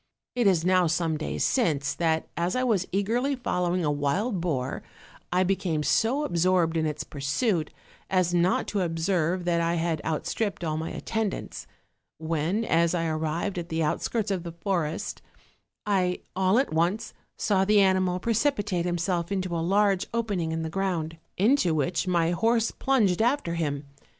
"It is now some days since, that as I was eagerly fol lowing a wild boar I became so absorbed in its pursuit as not to observe that I had outstripped all my attend ants; when, as I arrived at the outskirts of the forest, I all at once saw the animal precipitate himself into a large opening in the ground, into which my horse plunged 288 OLD, OLD FAIRY TALES. after him.